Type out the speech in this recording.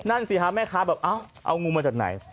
นั่นสิค่ะแม่ค้าเอางูมาจากไหน